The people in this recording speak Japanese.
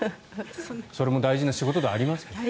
それも大事な仕事ではありますけどね。